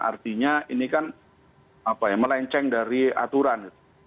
artinya ini kan melenceng dari aturan